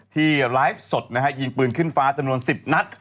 ที่ไลฟ์สดยิงปืนขึ้นฟ้าจำนวน๑๐นัด